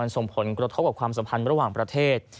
ส่งผลกระทบกับความสัมพันธ์ระหว่างประเทศ